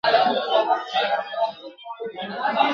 که خندل دي نو به ګورې چي نړۍ درسره خاندي !.